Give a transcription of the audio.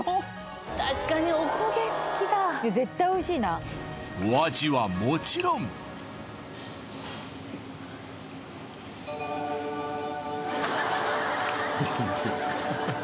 確かにおこげつきだいや絶対おいしいなお味はもちろんどこ見てんすか？